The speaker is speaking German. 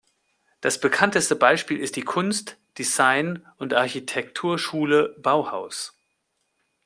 Das bekannteste Beispiel ist die Kunst-, Design- und Architekturschule Bauhaus.